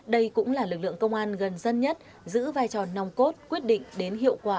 đây cũng là lực lượng công an gần dân nhất giữ vai trò nòng cốt quyết định đến hiệu quả